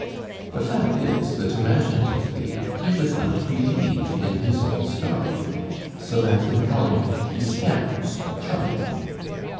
The fact is that imaginatively he does not believe in his own story, so that in teUing it he stammers charmingly.